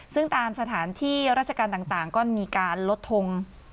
ซึ่งตามสถานที่ราชการต่างก็มีการลดทง